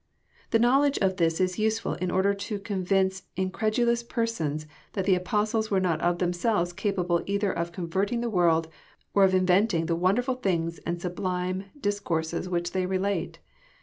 The knowledge of this is useful in order to convince incredulous persons that the Apostles were not of themselves capable either of converting the world, or of inventing the wonderful things and sublime discourses which they relate."